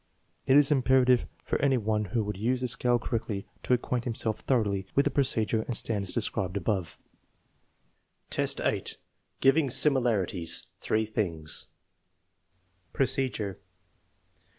It is imperative for any one who would use the scale correctly to acquaint himself thoroughly with the procedure and standards described above. XII, 8. Giving similarities, three things Procedure.